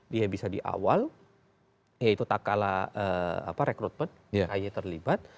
dia bisa di awal eh itu tak kalah rekrutmen ahy terlibat